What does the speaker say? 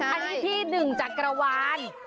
อันนี้พี่หนึ่งจากกรวาล